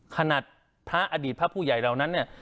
ขนาดพระอดีตพระผู้ใหญ่เหล่านั้นเนี่ย